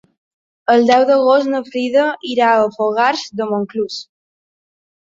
El deu d'agost na Frida irà a Fogars de Montclús.